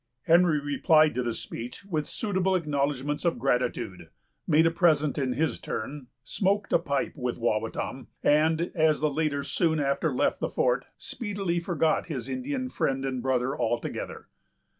Henry replied to the speech with suitable acknowledgments of gratitude, made a present in his turn, smoked a pipe with Wawatam, and, as the latter soon after left the fort, speedily forgot his Indian friend and brother altogether.